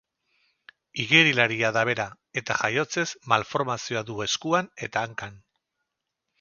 Igerilaria da bera, eta jaiotzez malformazioa du eskuan eta hankan.